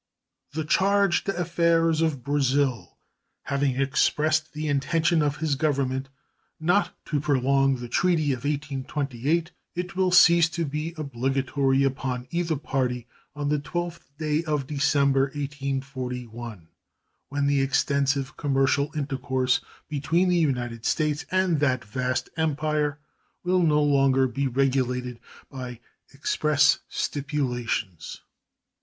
The charge d'affaires of Brazil having expressed the intention of his Government not to prolong the treaty of 1828, it will cease to be obligatory upon either party on the 12th day of December, 1841, when the extensive commercial intercourse between the United States and that vast Empire will no longer be regulated by express stipulations.